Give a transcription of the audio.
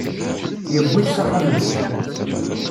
yewwi-t s axxam-nsen.